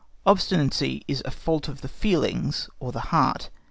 Obstinacy is A FAULT OF THE FEELINGS or heart.